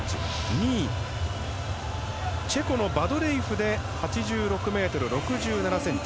２位、チェコのバドレイフで８６ｍ６７ｃｍ。